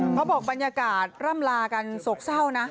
บอกบรรยากาศร่ำลากันโศกเศร้านะ